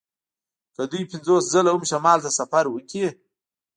که دوی پنځوس ځله هم شمال ته سفر وکړي